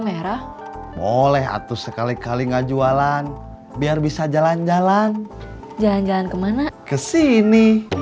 merah boleh atau sekali kali nggak jualan biar bisa jalan jalan jalan kemana kesini